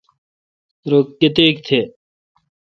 رو کتیک تہ۔